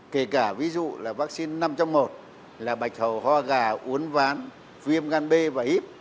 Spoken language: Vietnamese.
kể cả ví dụ là vaccine năm trong một là bạch hầu ho gà uốn ván viêm gan b và ít